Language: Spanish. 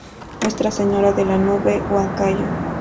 Nuestra Señora de la Nube, Huancayo.